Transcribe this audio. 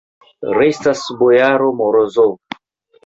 Restas bojaro Morozov.